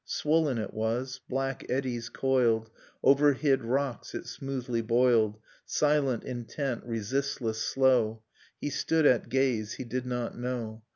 Swollen it was. Black eddies coiled, Over hid rocks it smoothly boiled, Silent, intent, resistless, slow. He stood at gaze. He did not know.